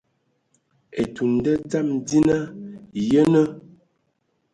Etun nda dzam dzina, yenə.